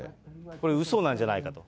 これ、うそなんじゃないかと。